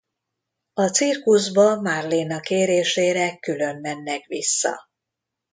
A cirkuszba Marlena kérésére külön mennek vissza.